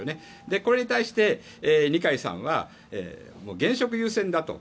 これに対して二階さんは現職優先だと。